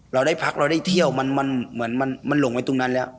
เราได้พักเราได้เที่ยวมันหลงไปตรงนั้นแล้ว